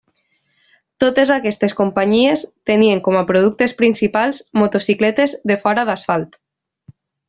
Totes aquestes companyies tenien com a productes principals motocicletes de fora d'asfalt.